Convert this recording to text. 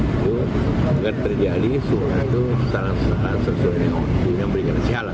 itu kan terjadi soalnya itu sesuatu yang benar benar salah